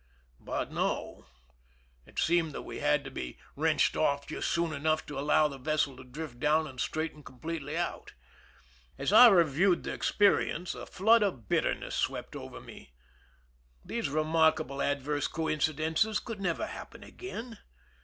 But no ; it seemed that we had to be wrenched off just soon enough to allow the vessel to drift down and straighten completely out. As I reviewed the experience, a flood of bitterness swept over me. These remarkable adverse coincidences could never happen again.